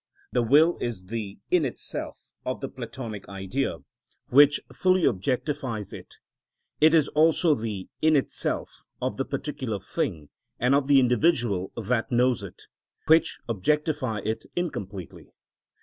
The will is the "in itself" of the Platonic Idea, which fully objectifies it; it is also the "in itself" of the particular thing and of the individual that knows it, which objectify it incompletely.